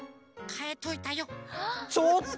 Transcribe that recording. ちょっと！